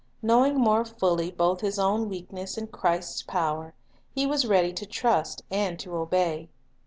Knowing more fully both his own weakness and Christ's power, he was ready to trust and to obey.